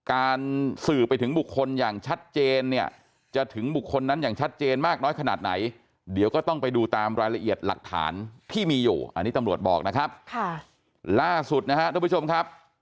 อันนี้ตำรวจบอกนะครับล่าสุดนะครับทุกผู้ชมครับ